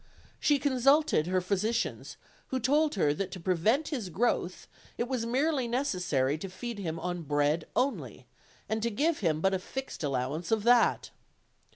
She consulted her physicians, who told her that to prevent his growth it was merely necessary to feed him on bread only, and to give him but a fixed allowance of that.